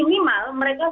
dan negara negara eropa